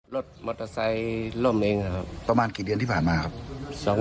รถมอเตอร์ไซค์ล่มเองครับประมาณกี่เดือนที่ผ่านมาครับ